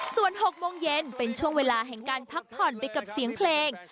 ส่วน๖โมงเย็นเป็นช่วงเวลาแห่งการพักผ่อนไปกับเสียงเพลง